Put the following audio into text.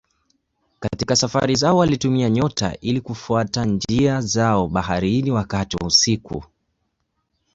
Katika safari zao walitumia nyota ili kufuata njia zao baharini wakati wa usiku.